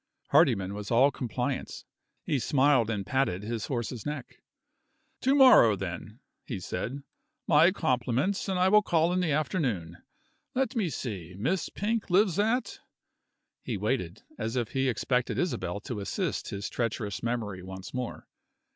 Hardyman was all compliance. He smiled and patted his horse's neck. "To morrow, then," he said. "My compliments, and I will call in the afternoon. Let me see: Miss Pink lives at ?" He waited, as if he expected Isabel to assist his treacherous memory once more.